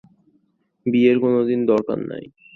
বিয়ের কোনো দরকার নেই।